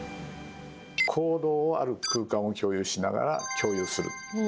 行動をある空間を共有しながら、共有する。